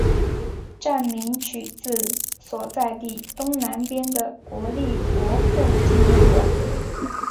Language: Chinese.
站名取自所在地东南边的国立国父纪念馆。